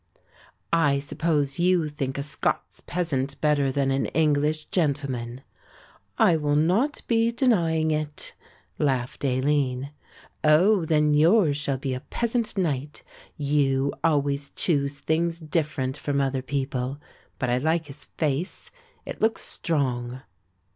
"I suppose you think a Scots peasant better than an English gentleman." "I will not be denying it," laughed Aline. "Oh! then yours shall be a peasant knight, you always choose things different from other people. But I like his face, it looks strong."